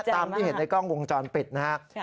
ตามที่เห็นในกล้องวงจรปิดนะครับ